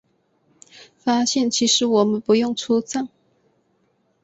发现其实我们不用出站